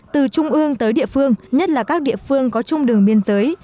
từ trung ương tới địa phương nhất là các địa phương có chung đường biên giới